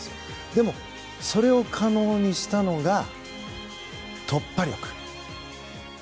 でも、それを可能にしたのが突破力。